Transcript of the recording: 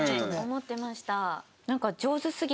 思ってました。